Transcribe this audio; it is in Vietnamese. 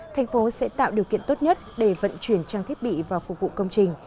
thành phố sẽ tạo điều kiện tốt nhất để vận chuyển trang thiết bị vào phục vụ công trình